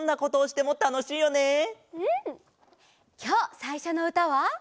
きょうさいしょのうたは。